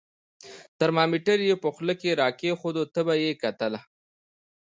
ترمامیتر یې په خوله کې را کېښود، تبه یې کتل.